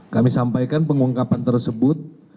kami sampaikan pengungkapan tersebut